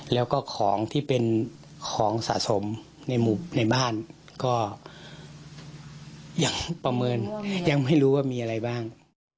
แล้วก็ของที่เป็นของสะสมในบ้านก็ยังประเมินยังไม่รู้ว่ามีอะไรบ้าง